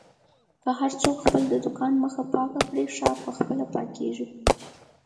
که هر څوک د خپل دوکان مخه پاکه کړي، ښار په خپله پاکېږي.